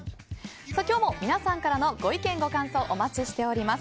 今日も皆さんからのご意見、ご感想お待ちしております。